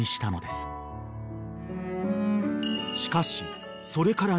［しかしそれから］